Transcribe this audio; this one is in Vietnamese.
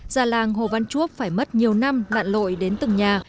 già làng hồ văn chuộc phải mất nhiều năm lạn lội đến từng nhà